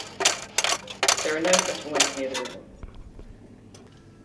There are no settlements near the river.